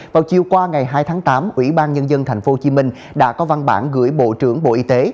vào chiều qua ngày hai tháng tám ủy ban nhân dân tp hcm đã có văn bản gửi bộ trưởng bộ y tế